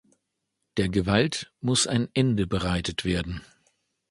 Der Gewalt muss ein Ende bereitet werden.